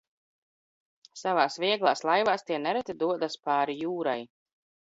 Savās vieglās laivās tie nereti dodas pāri jūrai.